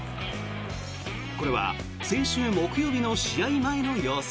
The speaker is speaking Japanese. これは先週木曜日の試合前の様子。